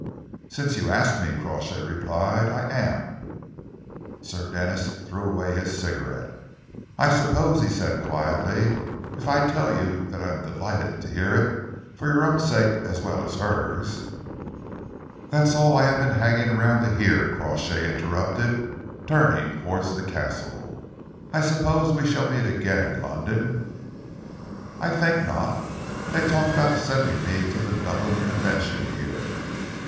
"Since you ask me," Crawshay replied, "I am." Sir Denis threw away his cigarette. "I suppose," he said quietly, "if I tell you that I am delighted to hear it, for your own sake as well as hers " "That's all I have been hanging about to hear," Crawshay interrupted, turning towards the castle. "I suppose we shall meet again in London?" "I think not. They talk about sending me to the Dublin Convention here.